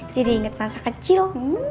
jadi inget masa kecil